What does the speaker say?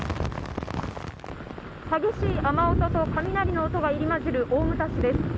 激しい雨音と雷の音が入り交じる大牟田市です。